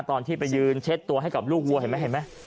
ตอนที่ไปยืนเช็ดตัวให้กับลูกวัวเห็นไหมเห็นไหม